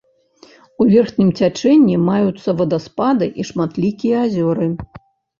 У верхнім цячэнні маюцца вадаспады і шматлікія азёры.